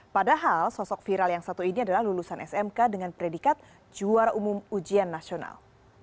padahal sosok viral yang satu ini adalah lulusan smk dengan predikat juara umum ujian nasional